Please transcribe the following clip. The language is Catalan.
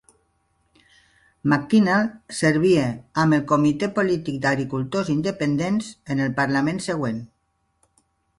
McKinnell servia amb el comitè polític d'Agricultors Independents en el parlament següent.